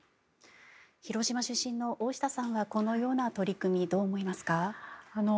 広島出身の大下さんはこのような取り組みをどう思いますか？